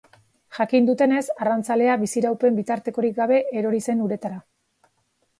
Jakin dutenez, arrantzalea biziraupen bitartekorik gabe erori zen uretara.